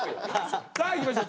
さあいきましょう。